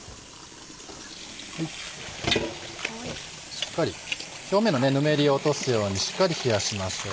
しっかり表面のぬめりを落とすようにしっかり冷やしましょう。